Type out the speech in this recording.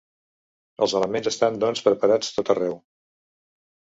Els elements estan doncs preparats tot arreu.